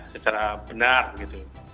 secara benar gitu